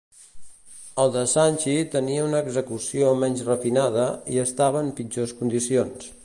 El de Sanchi tenia una execució menys refinada, i estava en pitjors condicions.